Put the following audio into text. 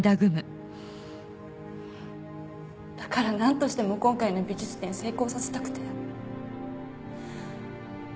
だからなんとしても今回の美術展成功させたくて。